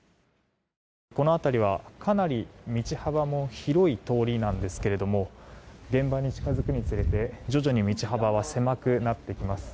この辺りはかなり道幅も広い通りなんですが現場に近づくに連れて徐々に道幅は狭くなってきます。